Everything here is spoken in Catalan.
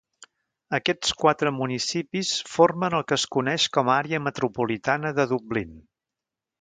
Aquests quatre municipis formen el que es coneix com a àrea metropolitana de Dublín.